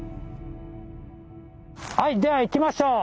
はいではいきましょう！